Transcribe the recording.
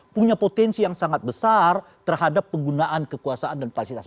punya potensi yang sangat besar terhadap penggunaan kekuasaan dan fasilitas